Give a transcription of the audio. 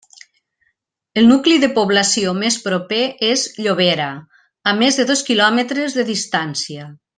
El nucli de població més proper és Llobera, a més de dos quilòmetres de distància.